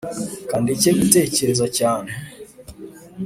kandeke gutekereze cyane